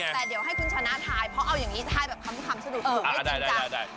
แต่เดี๋ยวให้คุณชนะทายเพราะเอาอย่างนี้ทายแบบคำสนุกไม่จริงจัง